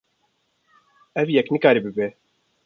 Ev yek nikare bibe.